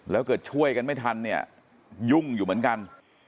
แล้วเกิดช่วยกันไม่ทันเนี่ยยุ่งอยู่เหมือนกัน